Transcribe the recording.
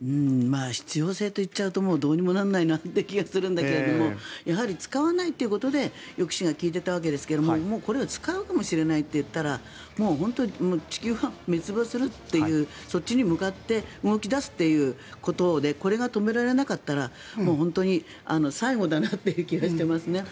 必要性と言っちゃうとどうにもならない気がするんだけどやはり使わないということで抑止が利いていたわけですがもうこれを使うかもしれないと言ったら地球は滅亡するというそっちに向かって動き出すということでこれが止められなかったらもう本当に最後だなという気がしてますね。